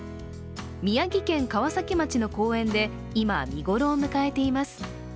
宮城県川崎町の公園で今、見頃を迎えています。